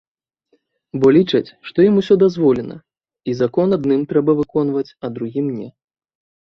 Бо лічаць, што ім усё дазволена, і закон адным трэба выконваць, а другім не.